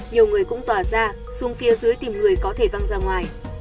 nhiều người cũng tỏa ra xuống phía dưới tìm người có thể văng ra ngoài